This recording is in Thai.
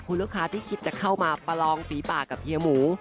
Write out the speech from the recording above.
คุณลูกค้าที่คิดจะเข้ามาประลองฝีปากกับเฮียหมู